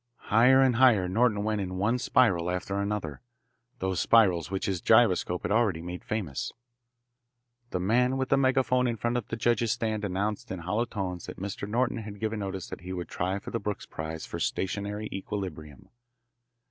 Higher and higher Norton went in one spiral after another, those spirals which his gyroscope had already made famous. The man with the megaphone in front of the judge's stand announced in hollow tones that Mr. Norton had given notice that he would try for the Brooks Prize for stationary equilibrium.